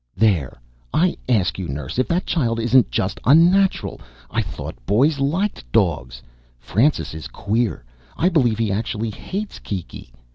"There! I ask you, nurse, if that child isn't just unnatural. I thought boys liked dogs. Francis is queer. I believe he actually hates Kiki."